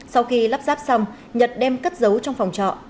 sau khi lắp ráp xong nhật đem cất giấu trong phòng trọ